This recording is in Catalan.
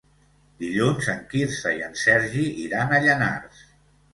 Dilluns en Quirze i en Sergi iran a Llanars.